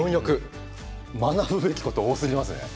学ぶべきこと多すぎますね。